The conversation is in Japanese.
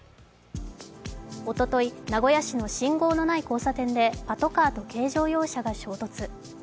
おととい、名古屋市の信号のない交差点でパトカーと軽乗用車が衝突。